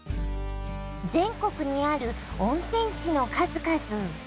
全国にある温泉地の数々。